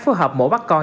phối hợp mổ bắt con